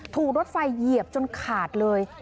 ถูกรถไฟเหยียบจนขาดเลย